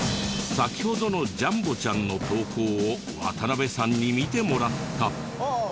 先ほどのじゃんぼちゃんの投稿を渡邉さんに見てもらった。